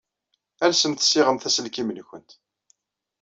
Alsemt ssiɣemt aselkim-nwent.